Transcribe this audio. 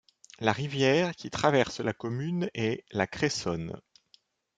La rivière qui traverse la commune est la Cressonne.